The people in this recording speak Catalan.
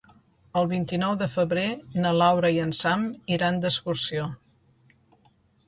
El vint-i-nou de febrer na Laura i en Sam iran d'excursió.